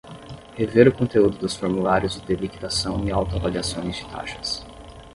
Rever o conteúdo dos formulários de liquidação e auto-avaliações de taxas.